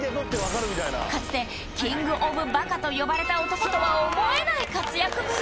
かつてキングオブバカとよばれた男とは思えない活躍ぶり